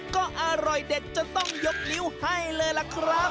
ก็อร่อยเด็ดจนต้องยกนิ้วให้เลยล่ะครับ